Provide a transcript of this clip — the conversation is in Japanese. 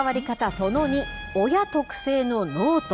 その２、親特製のノート。